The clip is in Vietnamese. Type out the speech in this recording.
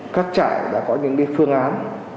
các trại đã có những phương án